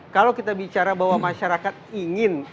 kalau kita bicara bahwa masyarakat ingin